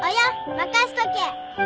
任せとけ！